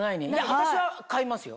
私は買いますよ。